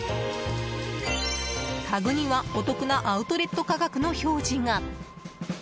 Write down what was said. タグにはお得なアウトレット価格の表示が。